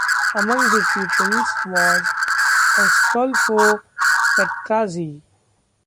Among his pupils was Astolfo Petrazzi.